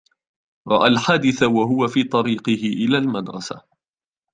رأى الحادث وهو في طريقه إلى المدرسة.